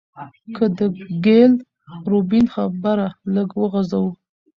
که د ګيل روبين خبره لږه وغزوو